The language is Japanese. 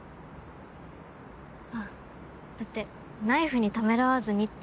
あっだってナイフにためらわずにって。